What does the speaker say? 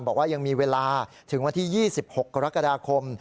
บอกว่ายังมีเวลาถึงวันที่๒๖กรกฎาคม